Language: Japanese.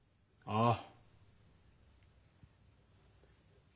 ああ。